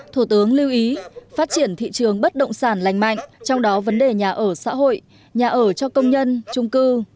thủ tướng lưu ý phát triển thị trường bất động sản lành mạnh trong đó vấn đề nhà ở xã hội nhà ở cho công nhân trung cư